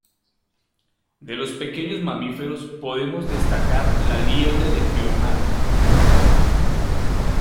De los pequeños mamíferos podemos destacar la liebre de piornal.